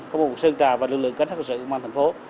công an quận sơn trà và lực lượng cảnh sát hợp sự